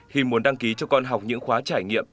khi muốn đăng ký cho con học những khóa trải nghiệm